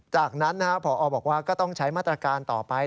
จากนั้นพอบอกว่าก็ต้องใช้มาตรการต่อไป